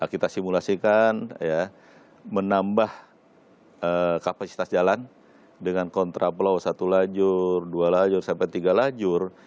kita simulasikan menambah kapasitas jalan dengan kontraplo satu lajur dua lajur sampai tiga lajur